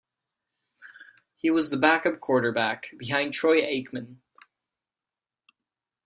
He was the backup quarterback, behind Troy Aikman.